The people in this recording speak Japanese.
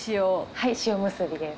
はい塩むすびです。